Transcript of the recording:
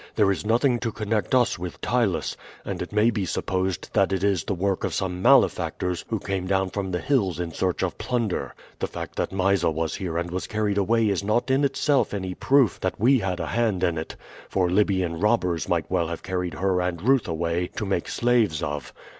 There is nothing to connect us with Ptylus, and it may be supposed that it is the work of some malefactors who came down from the hills in search of plunder. The fact that Mysa was here and was carried away is not in itself any proof that we had a hand in it, for Libyan robbers might well have carried her and Ruth away to make slaves of.